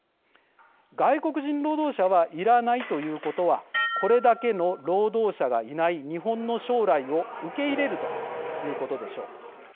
外国人労働者はいらないということはこれだけの労働者がいない日本の将来を受け入れるということでしょう。